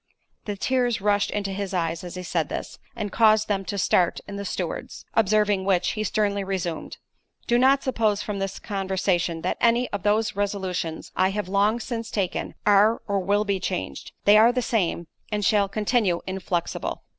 The tears rushed into his eyes as he said this, and caused them to start in the steward's—observing which, he sternly resumed, "Do not suppose from this conversation, that any of those resolutions I have long since taken, are, or will be changed—they are the same; and shall continue inflexible."